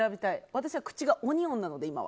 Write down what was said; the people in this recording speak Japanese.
私は口がオニオンなので。